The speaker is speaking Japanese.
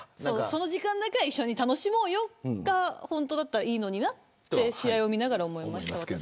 その時間だけは一緒に楽しもうよが本当だったら、いいのになって試合を見ながら思いました。